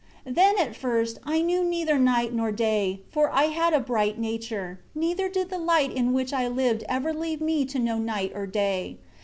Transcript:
6 Then, at first, I knew neither night nor day, for I had a bright nature; neither did the light in which I lived ever leave me to know night or day.